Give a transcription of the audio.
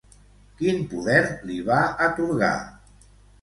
Quin poder li va atorgar?